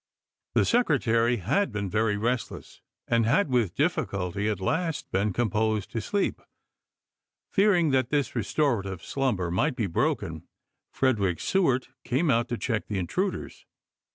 The Secretary had been very restless and had with difficulty at last been composed to sleep. Fear ing that this restorative slumber might be broken, Frederick Seward came out to check the intruders.